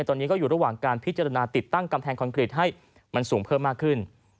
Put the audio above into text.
ตอนนี้ก็อยู่ระหว่างการพิจารณาติดตั้งกำแพงคอนกรีตให้มันสูงเพิ่มมากขึ้น